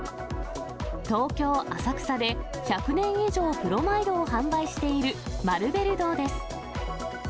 東京・浅草で１００年以上プロマイドを販売しているマルベル堂です。